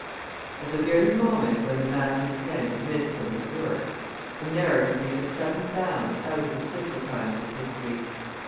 At the very moment when the master's hand is missed from his work, the narrative makes a sudden bound out of the simple times of history.